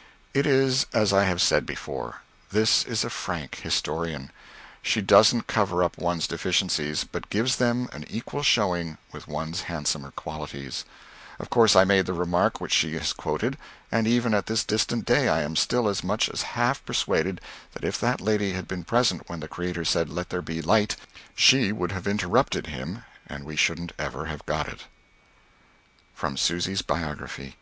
'" It is as I have said before. This is a frank historian. She doesn't cover up one's deficiencies, but gives them an equal showing with one's handsomer qualities. Of course I made the remark which she has quoted and even at this distant day I am still as much as half persuaded that if that lady had been present when the Creator said, "Let there be light," she would have interrupted Him and we shouldn't ever have got it. _From Susy's Biography.